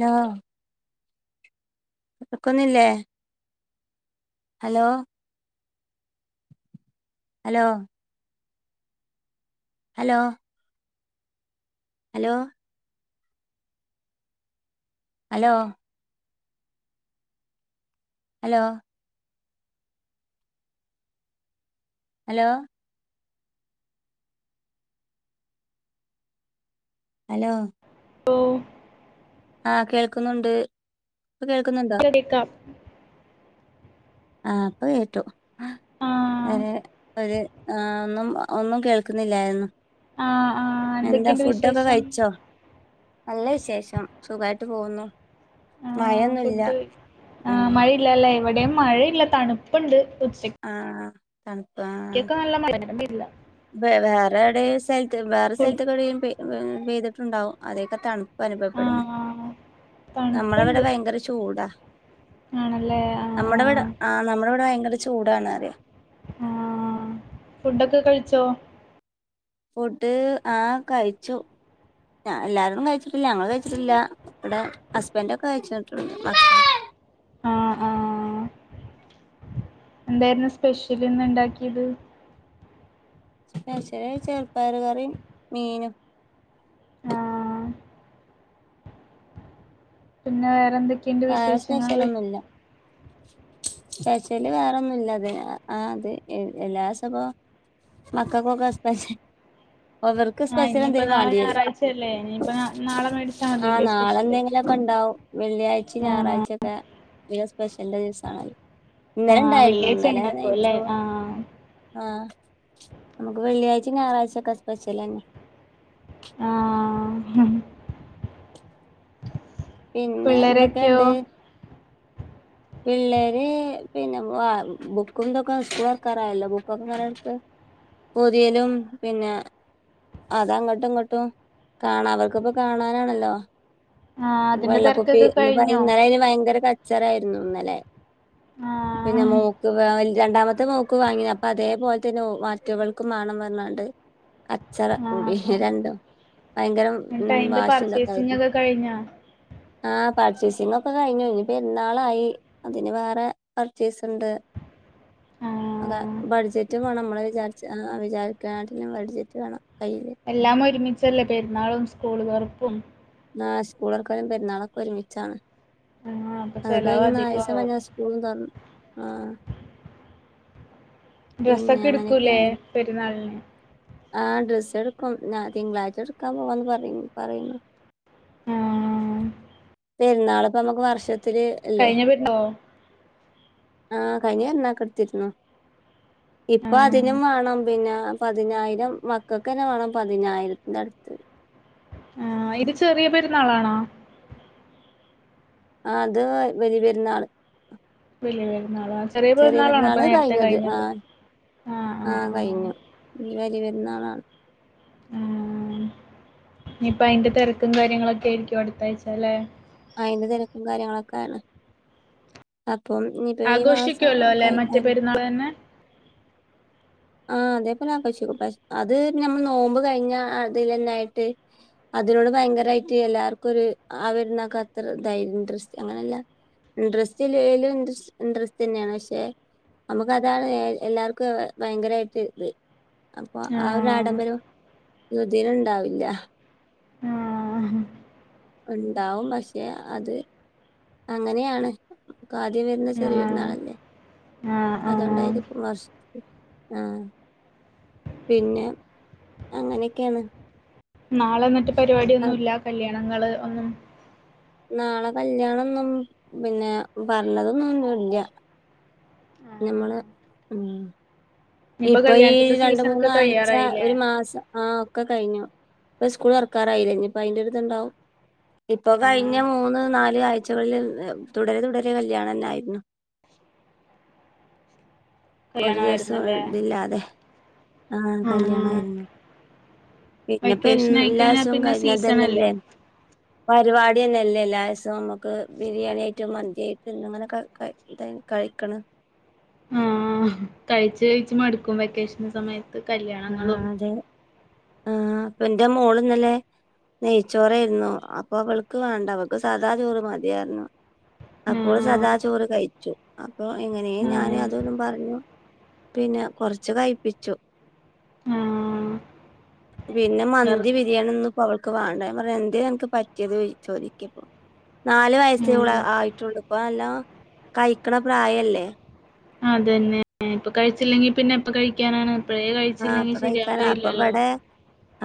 Law. പക്കന്നില്ലേ hello hello hello hello hello hello hello hello പ്പോ ആ കേൾക്കുന്നുണ്ട്. കേൾക്കുന്നുണ്ടോ ശ്രദ്ധിക്കാം. ആ അപ്പൊ ഏറ്റു. ആഹ് അരെ ഒരു ആ ഒന്നും ഒന്നും കേൾക്കുന്നില്ലായിരുന്നു. ആ ആ എന്താ എന്തൊക്കെയണ്ട് ഫുഡൊക്കെ വിശേഷം കഴിച്ചോ നല്ല വിശേഷം സുഖായിട്ട് പോകുന്നു മഴയൊന്നുല്ല ഫുഡ് ആ ഉം മഴയില്ലല്ല എവിടെയും മഴയില്ല തണുപ്പുണ്ട് ഉച്ചക്കൊക്കെ ആ കപ്പ നല്ല മഴ ഇല്ല വേറെറാരടെ സ വേറെ സ്ഥലത്ത കൂടെ [unintelligible] ചെയ്തിട്ടുണ്ടാവും അതേക്കെത്താണ് അനുഭവപ്പെടുന്നു ആഹ് നമ്മളിവിടെ തണുപ്പുണ്ട് ഭയങ്കര ചൂടാ ആണല്ലേ ആഹ് നമ്മുടെ ഇവിടെ ആ ആഹ് നമ്മുടെ ഇവിടെ ഭയങ്കര ചൂടാണ് ആ ഫുഡൊക്കെ കഴിച്ചോ ഫുഡ് ആ കഴിച്ചു എല്ലാരും കഴിച്ചിട്ടില്ല ഞങ്ങള് കഴിച്ചിട്ടില്ല ഇവിടെ ഹസ്ബൻഡ് ഒക്കെ കഴിച്ചിട്ടിണ്ട് ആ ആ എന്തായിരുന്നു സ്പെഷ്യൽന്ന് ഇണ്ടാക്കിയത് [unintelligible] ചെറുപയർ കറിയും മീനും ആഹ് പിന്നെ വേറെ എന്തെ വിശേഷങ്ങൾ ചച്ചല് വേറെന്നുല്ല ആ അത് എല്ലാ സംഭം മക്കൾക്കൊക്കെ സ്പെ അവർക്ക് ആഹ് സ്പെഷ്യൽ ഇനിയിപ്പോ എന്തേലും നാളെ വേണ്ടി വരും ഞായറാഴ്ചയല്ലേ ഇനിയിപ്പോ നാ- നാളെ മേടിച്ചാൽ ആ മതില്ലേ സ്പെഷ്യല് നാളെന്തെങ്കിലും ഒക്കെ ഉണ്ടാവും വെള്ളിയഴ്ച ഈ ആഹ് ഞായറാഴ്ചത്തെ ഈ സ്പെഷ്യല് ദിസായ് ഇന്നലെ ആഹ് ഉണ്ടായിരുന്നു വെള്ളിയാഴ്ച ഇന്നലെ ഉണ്ടാക്കും അല്ലേ നെയ്ച്ചോറ് ആഹ് ആ നമുക്ക് വെള്ളിയാഴ്ച ഞായറാഴ്ച ഒക്കെ സ്പെശ്യാൽ തന്നെ ആഹ് പിന്നെ പിള്ളേരൊക്കെയോ എന്തൊക്കെയുണ്ട് പിള്ളേര് പിന്നെ ബുക്കുംന്തൊക്കെ സ്കൂള് തോറക്കാറായല്ലോ ബുക്കൊക്കെ പറഞ്ഞടുത്ത് പൊതിയലും പിന്നെ അതങ്ങോട്ടും ഇങ്ങോട്ടും കാണാ അവർക്കൊക്കെ കാണാനാണല്ലോ ആഹ് അതിന്റെ വെള്ളക്കൊപ്പി തിരക്കൊക്കെ [unintelligible] കഴിഞ്ഞോ അയിന് ഭയങ്കര [unintelligible] ഇന്നല്ലെ ആഹ് പിന്ന മോക്ക് രണ്ടാമത്തെ മോക്ക് വാങ്ങിയ അപ്പൊ അതേപോലെ തന്നെ മാറ്റവൾക്കും മേണന്ന് പറഞ്ഞാണ്ട് അച്ചറകൂടി ആഹ് രണ്ടും ഭയങ്കര ഉ എന്നിട്ട് അയിന്റെ വാശി പർച്ചേസിങ് ഇതൊക്കൊയിരുന്നു ഒക്കെ കഴിഞ്ഞോ ആ പർച്ചേസിങ് ഒക്കെ കഴിഞ്ഞു ഇനി പെരുന്നാളായി അതിന് വേറെ പർച്ചേസ്ണ്ട് അതെ ആഹ് ബട്‌ജറ്റ് ചുറ്റും വേണം നമ്മള വിചാരിച്ച വിചാരിക്കണട്ടിലും ബഡ്ജറ്റ് വേണം കയ്യിൽ എല്ലാം ഒരുമിച്ചല്ലേ പെരുന്നാളും സ്കൂള് തൊറുപ്പും ആ സ്കൂള് തോർക്കലും പെരുന്നാളക്കെ ഒരുമിച്ചാണ് ആഹ് അപ്പൊ അത് ചെലവ് കഴിഞ്ഞ നാലീസം അധികമാവും കയ്ഞ്ഞ സ്കൂള് തൊറന്നു ആ പിന്നെ ഡ്രസ്സൊക്കെ എടുക്കൂല്ലേ അങ്ങനെയൊക്കെയാണ് പെരുന്നാളിന് ആ ഡ്രസ്സ് എടുക്കും ഞാ തിങ്കളാഴ്ച എടുക്കാൻ പോവാന്ന് പറ പറയിന് ആഹ് പെരുന്നാൾപ്പ നമുക്ക് വർഷ കഴിഞ്ഞ പെരുന്നാൾക്കോ ആ കഴിഞ്ഞ പെരുന്നാൾ ക്ക്എടുത്തിരുന്നു ഇപ്പൊ ആഹ് അതിനും വേണം പിന്നെ പതിനായിരം മക്ക ക്കന്നെ വേണം പതിനായിരത്തിന്റെ അടുത്ത് ആ ഇത് ചെറിയ പെരുന്നാളാണോ അത് വലിയ പെരുന്നാള് വലിയ പെരുന്നാൾ ആ ചെറിയ പെരുന്നാളാണ അപ്പൊ നേരത്തെ കഴിഞ്ഞത് ആ ആ ആ ഇന്നാണ് ആ ഇനിയിപ്പ അയിന്റെ തിരക്കും കാര്യങ്ങളൊക്കെ ആയിരിക്കും അടുത്ത ആഴ്ചാലേ അയിന്റെ തിരക്കും കാര്യങ്ങളൊക്കെയ ആാണ് അ ആഘോഷിക്കുവല്ലോ അല്ലെ മറ്റേ പെരുന്നാൾ തന്നെ ആ അതേപോലെ ആഘോഷിക്കും പക്ഷ അത് നഞമ്മൾ നോമ്പ് കഴിഞ്ഞ അതിൽന്നൊയിട്ട് അതിനോട് ഭയങ്കരമായിട്ട് എല്ലാർക്കും ഒരു ആ വരുന്നക്ക അത്രധൈര്യം ഇൻട്രസ്റ്റ് അങ്ങനെയല്ല ഇഡ്രസ്സ് ലും ഇൻട്രസ്റ്റ് തന്നെയാണ് പക്ഷെ നമുക്ക് അതാണ് എല്ലാർക്കും ഭയങ്കരട്ട് ഇത് അപ്പൊ ആ ഒരു ആഹ് ആഡംബരം ഇതിയതുണ്ടാവില്ല ആഹ് ഉണ്ടാവും പക്ഷെ അത് അങ്ങനെയാണ് ആദ്യം വരുന്ന ആഹ് ചെറിയൊപേരുനാളല്ലേ ആഹ് ആഹ് അതുകൊണ്ടായിരിക്കും വർഷ ആ പിന്നെ അങ്ങനെയൊക്കെയാന്ന് നാളെ എന്നിട്ട് പരിപാടൊന്നും ഇല്ല കല്യാ ണങ്ങള് ഒന്നും നാളെ കല്യാണിന്നും പിന്നെ പറഞ്ഞതൊന്നും ഒന്നും ഇല്ല ഞമ്മള് ആഹ് ഉം ഇനിയിപ്പോ ഇപ്പൊ ഈ കല്യാണത്തിന്റെ രണ്ട സീസൺ ഒക്കെ മൂന്നാഴ്ച കഴിയാറായില്ലേ ഒരു മാസം ആ ഒക്കെ കഴിഞ്ഞു ഇപ്പ സ്കൂൾ തുറക്കാറായില്ല ഇനി ഇപ്പ അയിന്റെ ഇത് ണ്ടാവും ഇപ്പൊ കഴിഞ്ഞ ആഹ് മൂന്ന് നാല് ആഴ്ചകളിൽ തുടരെ തുടരെ കല്യാണം തെന്നായിരുന്നു ഒരു ദിവസം കല്യാണമായിരുന്നല്ലേ ഇതില്ലാതെ ആ ആഹ് കല്യാണായിരുന്നു പിന്നെപ്പ വെക്കേഷൻ ആയിക്കഴിഞ്ഞാ എല്ലാസവും പിന്നെ കഴഞ്ഞ സീസൺ അല്ലേ അതന്നല്ലേ പരിപാടി തന്നെല്ലേ എല്ലസം നമ്മുക്ക് ബിരിയാണി ആയിട്ട് മന്തിായിട്ട് ഇും ഇങ്ങനെ കഴിക്കണ ആ കഴിച്ച കഴിച്ച് മടുക്കും വെക്കേഷൻ സമയത്ത് കല്യാണങ്ങളും ആ അപ്പൊ എൻറെ മോള ഇന്നല്ലേ നെയ്ച്ചോറായിരുന്നു അപ്പൊ അവൾക്ക് വേണ്ട അവൾക്ക് സാദാ ചോറ് മതി പറഞ്ഞു അപ്പോൾ ആഹ് സദാ ആഹ് ചോറ് കഴിച്ചു അപ്പൊ എങ്ങനെയ ഞാന് ആഹ് അതൊന്നും പറഞ്ഞു പിന്നെ കൊറച്ച് കഴിപ്പിച്ചു ആഹ് പിന്നെ വെറു മന്തി ബിരിയാണി ഒന്നും ഇപ്പ അവൾക്ക് വേണ്ട പറഞ്ഞ എന് എനക്ക് പറ്റിയത് ചോദിക്കപ്പോ നാല് വയസ് ഇള ഉം ആയിട്ടുണ്ട് ഇപ്പ നല്ലാം കഴിക്കണ പ്രായല്ലേ അതന്നെ ഇപ്പൊ കഴിച്ചില്ലെങ്കിൽ പിന്നെ എപ്പ കഴിക്കാനാണ് അപ്പഴേ കഴിച്ചില്ലെങ്കിൽ ശരിയാവയില്ലല്ലോ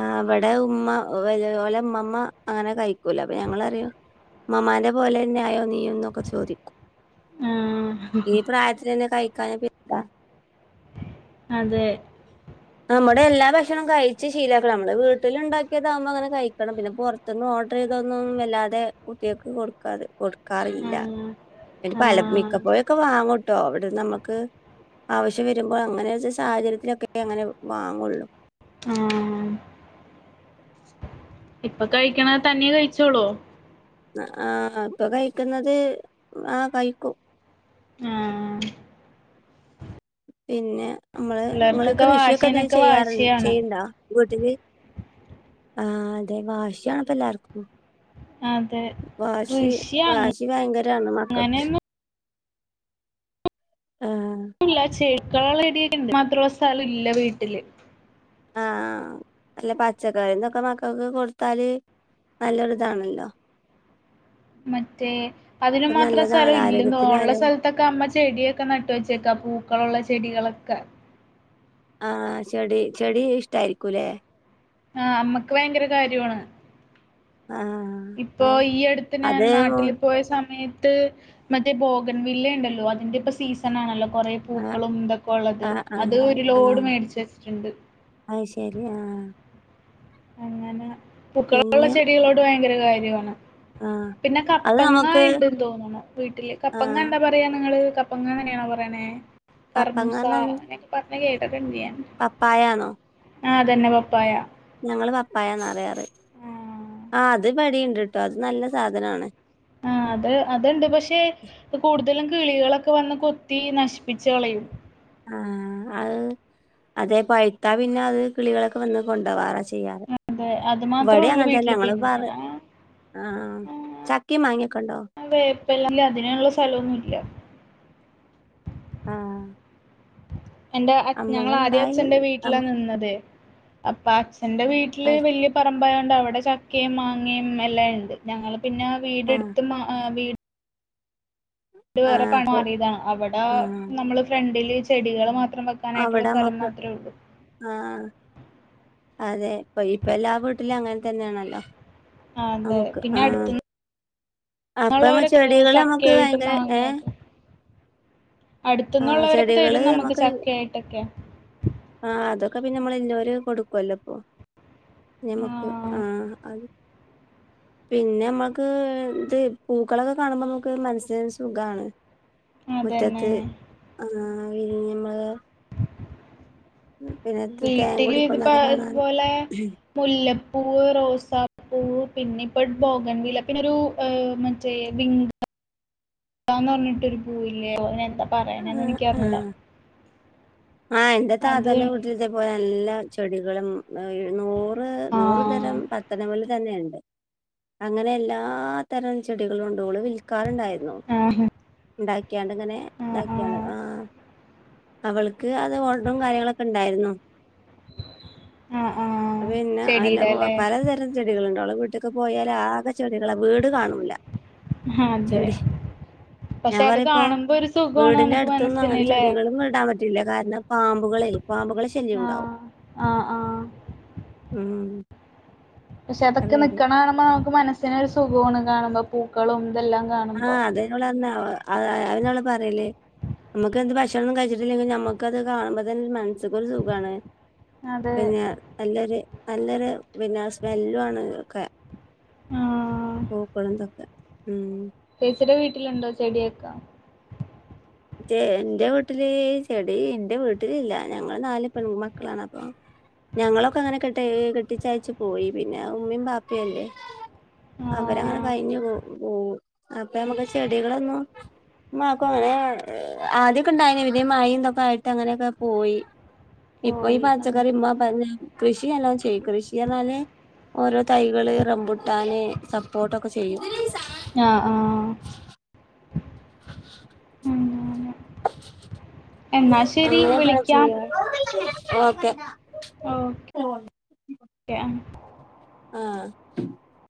ആ അവിടെ ഉമ്മ വപോലെ ഉമ്മമ്മ അങ്ങനെ കഴിക്കൂല അപ്പൊ ഞങ്ങളറിയോ ഉ്മാന്റെ പോലെ തന്നെ ആയോ നീയന്നൊക്കെ ചോദിക്കും ആഹ് ഈ പ്രായത്തി തന്നെ കായി- കപ്പട്ട [unintelligible] അതെ നമ്മുടെ എല്ലാ ഭക്ഷണം കഴിച്ച് ശീലക്കണം നമ്മള് വീട്ടിൽ ഉണ്ടാക്കിയതാവുമ്പോൾ അങ്ങനെ കഴിക്കണം പിന്നെ പുറത്തൊന്നും ഓർഡർ ചെയ്തൊന്നും വല്ലാതെ കുട്ടികൾക്ക് കൊടുക്കാത കൊ- ക്കാറില്ല ആഹ് എ പല മിക്ക ആഹ് പോഴൊക്കെ വാങ്ങൂട്ടോ അവിടെ നമ്മക്ക് ആവശ്യം വരുമ്പോൾ അങ്ങനെ സാഹചര്യത്തിലൊക്കെ കിട്ടും അങ്ങനെ വാങ്ങുള്ളൂ ആ ഇപ്പൊ കഴിക്കണ തന്നെയ കഴിച്ചോളൂ ആ ഇപ്പൊ കഴിക്കുന്നത് ആ കഴിക്കും ആ പിന്നെ നമ്മള് നിങ്ങള് പിള്ളേർക്കൊക്കെ കൃഷിയൊക്കെ എന്ത വാശിനൊക്കെ ചെയ്യാറുണ്ട് വാശിയാണ് ചെയ്യണ്ടാ വീട്ടില് ആ അതെ വാശിണപ്പ എല്ലാർക്കും അതെ വാശി കൃഷി വാശി ഭയങ്കരാണ് മക്കൾക്ക് അങ്ങനെയൊന്നും ആ ഇല്ല ചേ കാളടിയിണ്ട് മദ്രോസ [unintelligible] ലില്ല വീട്ടില് ആ ആ അല്ല പച്ചക്കറിന്നൊക്കെ മക്കൾക്ക് കൊടുത്താല് നല്ലൊരു ഇതാണല്ലോ മറ്റേ അതില് ഇപ്പൊ മാത്രം നല്ലതാണല്ലോ സ്ഥലം ഇല്ലന്ന് ഉള്ള ആരോഗ്യത്തിനായാലും സ്ഥലത്തൊക്കെ അമ്മ ചെടിയൊക്കെ നട്ട് വെച്ചേക്കാ പൂക്കളുള്ള ചെടികളൊക്കെ ആ ചെടി ചെടി ഇഷ്ടായിരിക്കുല്ലെ ആ അമ്മക്ക് ഭയങ്കര കാര്യവാണ്. ആഹ് ഇപ്പൊ ഈ അടുത്ത് ഞാൻ അതെ നാട്ടില് അത് പോയ സമയ ത്ത് മറ്റേ ബോഗൈൻവില്ലയുണ്ടല്ലോ അതിന്റെപ്പോ സീസൺ ആണല്ലോ കൊറെ ആഹ് പൂക്കളും ഇതൊക്കെ ഉള്ളത്. ആഹ് അത് ആഹ് ഒരു ലോഡ് ആഹ് മേടിച്ച് വെച്ചിട്ടുണ്ട്. അത് ശരി ആഹ് അങ്ങനാ പൂക്കളുള്ള പിന്നെ ചെടികളോട് ഭയ ങ്കര കാര്യവാണ് ആഹ് പിന്നെ അത് കപ്പങ്ങ നമുക്ക് ഇണ്ട്ന്ന് തോന്ന്ണു. വീട്ടില് കപ്പങ്ങ ആഹ് എന്താ പറയാ നിങ്ങള്? കപ്പങ്ങ എങ്ങനെയാ പറയണേ കറുമൂസ അങ്ങനൊക്കെ പറഞ്ഞ് കേ പപ്പായാണോ ആ അതന്നെ പപ്പായ. ഞങ്ങള് പപ്പായാന്നാറയാറ് ആ ആ അതിവടീ ണ്ട് ട്ടോ അത് നല്ല സാധനാണ്. ആഹ് അത് അതിണ്ട് പക്ഷെ അത് കൂടുതലും കിളികളൊക്കെ വന്ന് കൊത്തി നശിപ്പിച്ചു കളയും. ആഹ് അത് അതെ പഴുത്താ പിന്നെ അത് കിളികളൊക്കെ വന്ന് കൊണ്ടാവാറാ ചെ അതെ അത് മാത്രേ ഒള്ളു വീട്ടില് ഞങ്ങള് പറ പിന്നെ ആ ആഹ് ചക്കിം മാങ്ങിയൊക്കെണ്ടോ [unintelligible] അതിനൊള്ള സ്ഥലമൊന്നുമില്ല. ആഹ്. എന്റെ ഞങ്ങൾ ആദ്യ നമ്മള്ണ്ടായി അച്ഛന്റെ വീട്ടിലാ നമ്മ നിന്നതേ അപ്പാച് എന്റെ വീട്ടില് വലിയ പറമ്പാ ണ്ടവിടെ ചക്കയും മാങ്ങയും എല്ലാം ഉണ്ട് ഞങ്ങള് പിന്നെ ആഹ് വീടെടുത്ത് മാ വീട് വേറെ ആഹ് പണം പ്പൊ അറിയതാണ് അവിടെ ആഹ് നമ്മള് ഫ്രണ്ടില് ചെടികൾ മാ ത്രം അവിടെ വെക്കാനായിട്ടുള്ള സ്ഥലം നമ്മക്ക് മാത്രേ ഉള്ളൂ. ആഹ് അതെ ഇപ്പൊ ഇപ്പ എല്ലാ വീട്ടിലും അങ്ങനെ തന്നെയാണല്ലോ. ആഹ് അതെ പിന്നെ അടുത്തന്ന് അപ്പമ്മ ചെടികൾ നമ്മുക്ക് ഭയങ്കര ഏഹ് ആഹ് അടുത്ത്ന്നുള്ളവരൊക്കെ ചെടികള് തരും നമുക്ക് ചക്കയായിട്ടൊക്കെ ആ അതൊക്കെ പിന്നെ നമ്മള് എല്ലോരും കൊടുക്കുവല്ലോ ഇപ്പൊ ഞമുക്ക് ആ അത് പിന്നെ നമ്മുക്ക് ഇത് പൂക്കളൊക്കെ കാണുമ്പോ നമുക്ക് മനസ്സിന് സുഖാണ് അതന്നെ മുറ്റത്ത് ആ [unintelligible] തേൻ വീട്ടില് ഇതിപ്പ കുടിക്കുന്നതൊക്കെ കാണാന് ഇതുപോലെ മുല്ലപ്പൂ റോസാപ്പൂ പിന്നെ ഇപ്പോ ബോഗൻ വില്ല പിന്നെ ഒരു മറ്റേ വിംഗ ന്നാന്ന് പറഞ്ഞിട്ടൊരു പൂവീല്ലയോ [inaudible] ആ പറയാണേന്നെനിക്കറിയില്ല ആഹ് എന്റെ താതന്റെ വീട്ടിലിത്തെ പോയ നല്ല ചെടികളും നൂറ് നൂറ് ആഹ് തരം പത്തണിമുല്ല തന്നെയുണ്ട് അങ്ങനെ എല്ലാ തരം ചെടികളും ഉണ്ടായിരുന്നുഇവളു വിൽക്കാറുണ്ടായിരുന്നു ആഹ് ഉണ്ട [inaudible] ണ്ട് ഇങ്ങനെ ആഹ് ഇതാക്കിയാണ് ആഹ് ആ അവൾക്ക്- ക്ക് അത് ഓട്ടവും കാര്യങ്ങളൊക്കെ ഉണ്ടായിുന്നോ? ആഹ് ആഹ് പിന്നെ അല്ല ചെടിയുടെ അല്ലേ പലതരം ചെടികളുണ്ട അവള വീട്ടി- വീട്ടൊക്ക് പോയാാലൽ ആകെ ചെടികള വീട് കാണൂില്ല ആ അതെ പക്ഷെ ഞാൻ അത് പറയിപ്പോ കാണുമ്പോ ഒരു സുഖമാണ് നമുക്ക് മനസ്സിനല്ലേ ല്ല കാരണം പാമ്പുകളെ- പാമ്പുകൾ ശല്യണ്ടാവും ആഹ് ആഹ് ആഹ് ഉ- പക്ഷെ അതൊക്കെ നിക്കണാണുമ്പോ നമുക്ക് മനസി - ഒരു സുഖമാണ് കാണുമ്പോ പൂക്കളും- ഇതെല്ലാം ആഹ കാണുമ്പോ അതേപോലെ തന്നാ അവള് അ അന്ള് പറയല്ലേ നമുക്ക് എന്ത് ഭക്ഷണണംൊന്നും കഴിച്ചിട്ടില്ലെങ്കിൽ നമ്മുക്കത് കാണുമ്പോ തന്നെ ഒരു മനസ്സക്കൊരു സുഖമാണ് അതെ പിന്നെ നല്ല ഒരു നല്ലൊരു പിന്നെ സ്മെല്ലു ആണ് ഇതൊക്ക ആഹ് പൂക്കളന്തൊക്കെ ഉം ചേച്ചുടെ വീട്ടിലുണ്ടോ ചെടിയൊക്കെ എന്റെ വീട്ടില് ചെടി എന്റെ വീട്ടിലില്ല ഞങ്ങള്ൾ നാല് പെൺ മക്കളാണ് അപ്പൊ ഞങ്ങളൊക്കെ അങ്ങനെ കെട്ട കെട്ടിച്ചയച്ചു പോയി പിന്നെ ഉമ്മയും ബാപ്പയും അല്ലേ അവരങ്ങെ ആഹ് കഴിഞ്ഞു പോ പോു അപ്പ നമ്മുക്ക് ചെടികളൊന്നും മാക്കും അങ്ങനെ [inaudible] ആദ്യക്കെ ഇണ്ടായതിന ഇലേ മഴന്തൊക്കെ ആയിട്ട് അങ്ങനെയൊക്കെ പോയി ഇപ്പൊ ഈ പോയി ആഹ് പചക്കറി കൃഷിയല്ലാം കൃഷിയണല്ലേ ഓരോ തൈകള് റംമ്പുട്ടാന് സപ്പോർട്ടൊക്കെ ചെയ്യും ആഹ ആഹ [unintelligible] എന്നാ ശെരി അങ്ങനെയൊക്കെ വിളിക്കാം ചെയ്യാ ഓക്കെ ഓക്കെ ആഹ്